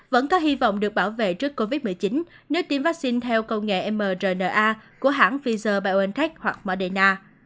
vẫn có hy vọng được bảo vệ trước covid một mươi chín nếu tiêm vắc xin theo công nghệ mrna của hãng pfizer biontech hoặc moderna